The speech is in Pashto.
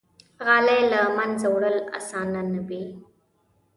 غالۍ له منځه وړل آسانه نه وي.